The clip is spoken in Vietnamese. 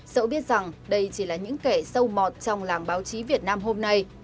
dẫu biết rằng đây chỉ là những kẻ sâu mọt trong làng báo chí việt nam hôm nay